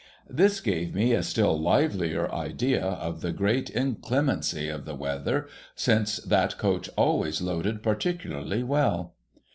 This gave me a still liveHer idea of the great in clemency of the weather, since that coach always loaded particularly well.